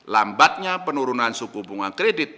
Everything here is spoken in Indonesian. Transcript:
lambatnya penurunan suku bunga kredit